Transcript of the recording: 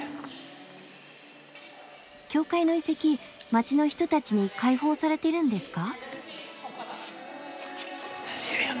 教会の遺跡街の人たちに開放されているんですか？